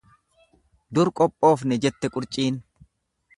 Dur qophoofne jette qurciin.